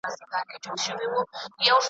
کي به ناڅي ښکلي پېغلي .